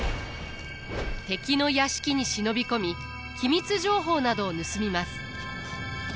敵の屋敷に忍び込み機密情報などを盗みます。